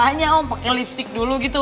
iya om pake lipstick dulu gitu